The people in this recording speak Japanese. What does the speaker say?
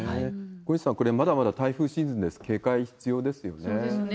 小西さんこれはまだまだ台風シーズンですけど、警戒必要ですそうですね。